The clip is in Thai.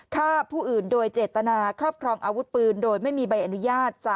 ฆ่าผู้อื่นโดยเจตนาครอบครองอาวุธปืนโดยไม่มีใบอนุญาต